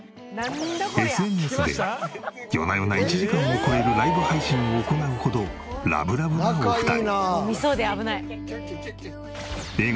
ＳＮＳで夜な夜な１時間を超えるライブ配信を行うほどラブラブなお二人。